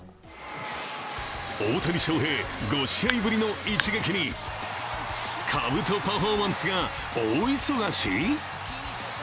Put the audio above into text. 大谷翔平、５試合ぶりの一撃にかぶとパフォーマンスが大忙し。